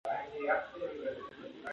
د جملو مانا باید سمه او واضحه وي.